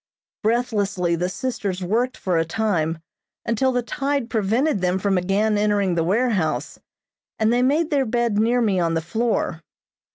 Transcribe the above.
Breathlessly the sisters worked for a time, until the tide prevented them from again entering the warehouse, and they made their bed near me on the floor.